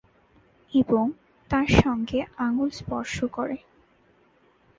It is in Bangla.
এবং তার সঙ্গে আঙ্গুল স্পর্শ করে।